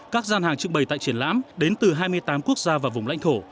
các gian hàng trưng bày tại triển lãm đến từ hai mươi tám quốc gia và vùng lãnh thổ